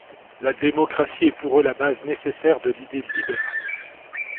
La démocratie est pour eux la base nécessaire de l'idée libérale.